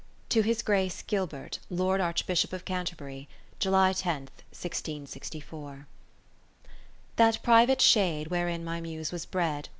To his Grace Gilbert, Lord Archbishop of Canterbury, July 10, 1664 That private shade, wherein my Muse was bred.